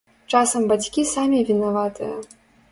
Часам бацькі самі вінаватыя.